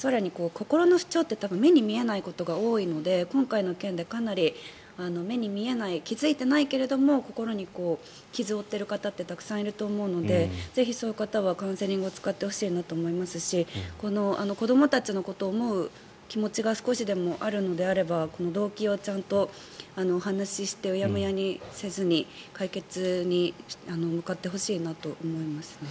心の不調って多分目に見えないことが多いので今回の件でかなり目に見えない気付いていないけれども心に傷を負っている方ってたくさんいると思うのでぜひ、そういう方はカウンセリングを使ってほしいと思いますし子どもたちのことを思う気持ちが少しでもあるのであれば動機をちゃんとお話ししてうやむやにせずに解決に向かってほしいなと思いますね。